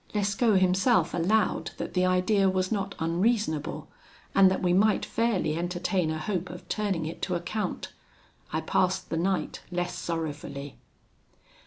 "Lescaut himself allowed that the idea was not unreasonable, and that we might fairly entertain a hope of turning it to account. I passed the night less sorrowfully.